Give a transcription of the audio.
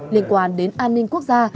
liên quan đến an ninh quốc gia